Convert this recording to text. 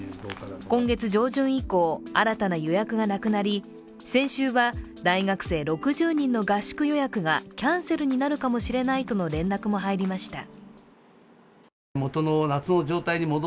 今月上旬以降、新たな予約がなくなり先週は大学生６０人の合宿予約がキャンセルになるかもしれないとの連絡も入りました。